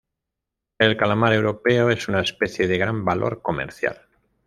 El calamar europeo es una especie de gran valor comercial.